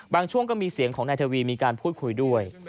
ช่วงก็มีเสียงของนายทวีมีการพูดคุยด้วย